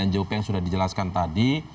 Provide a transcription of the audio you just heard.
njop yang sudah dijelaskan tadi